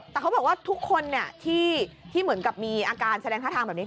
แต่เขาบอกว่าทุกคนในที่มีอาการแสดงท่าทางแบบนี้